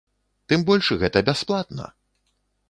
Тым больш, гэта бясплатна!